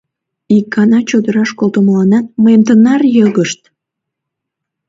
Ик гана чодыраш колтымыланат мыйым тынар йыгышт!